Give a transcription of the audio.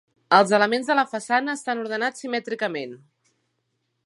Els elements de la façana estan ordenats simètricament.